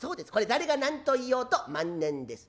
誰が何と言おうと万年です。